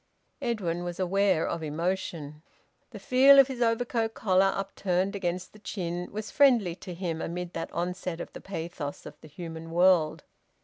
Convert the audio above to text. Edwin was aware of emotion. The feel of his overcoat collar upturned against the chin was friendly to him amid that onset of the pathos of the human world.